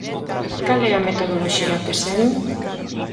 Cal é a metodoloxía que seguen?